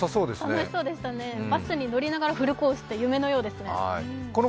楽しそうでしたね、バスに乗りながらフルコースって夢のようですね。